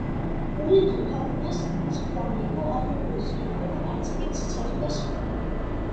ორნითოფაუნას ქმნის ფლამინგო, აფრიკული სირაქლემა, არწივი, ციცარი და სხვა.